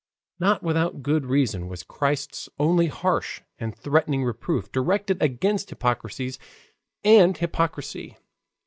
Not without good reason was Christ's only harsh and threatening reproof directed against hypocrites and hypocrisy.